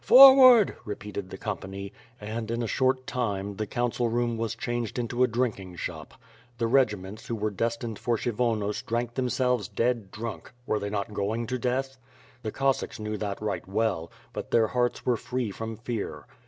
Forward!" repeated the company and, in a short time, the council room was changed into a drinking shop. The regiments who were destined for Kshyvonos drank themselves dead drunk — were they not going to death? The Cossacks knew that right well, but their hearts were free from fear.